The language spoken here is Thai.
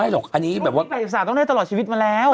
ต้องได้ตลอดชีวิตมาแล้ว